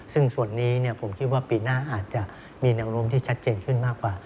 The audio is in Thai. ซึ่งส่วนนี้ผมคิดว่าปีหน้าอาจจะมีแนวโน้มที่ชัดเจนขึ้นมากกว่า